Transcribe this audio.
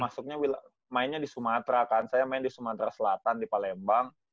masuknya mainnya di sumatera kan saya main di sumatera selatan di palembang